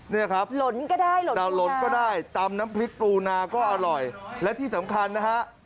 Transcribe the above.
นี่นะครับแต่ลดก็ได้ตำน้ำพริกปูนาก็อร่อยและที่สำคัญนะครับ